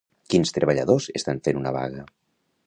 Quins treballadors estan fent una vaga?